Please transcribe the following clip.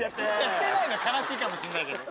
してないよ悲しいかもしんないけど。